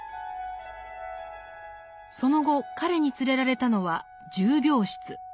その後彼に連れられたのは「重病室」。